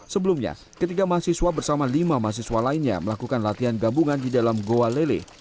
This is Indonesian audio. sebelumnya ketiga mahasiswa bersama lima mahasiswa lainnya melakukan latihan gambungan di dalam gua leleh